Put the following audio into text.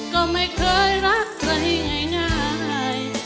ก็ไม่เคยรักใครง่าย